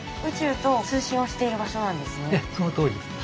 ええそのとおりですね。